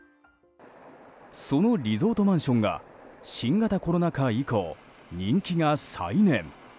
そのリゾートマンションが新型コロナ禍以降、人気が再燃。